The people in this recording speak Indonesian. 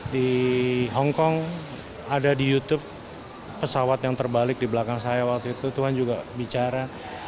di hongkong ada di youtube pesawat yang terbalik di belakang saya waktu itu tuhan juga bicara